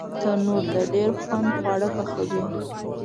تنور د ډېر خوند خواړه پخوي